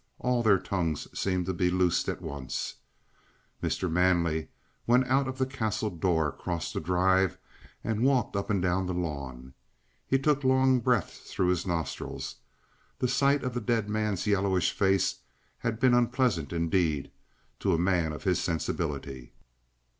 All their tongues seemed to be loosed at once. Mr. Manley went out of the Castle door, crossed the drive, and walked up and down the lawn. He took long breaths through his nostrils; the sight of the dead man's yellowish face had been unpleasant indeed to a man of his sensibility.